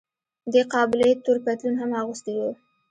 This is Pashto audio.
دې قابلې تور پتلون هم اغوستی و.